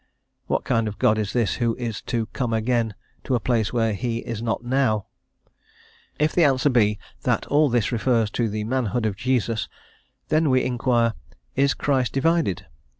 What kind of God is this who is to "come again" to a place where He is not now? If the answer be, that all this refers to the manhood of Jesus, then we inquire, "Is Christ divided?"